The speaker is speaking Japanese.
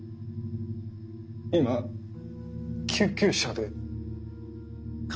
今救急車で。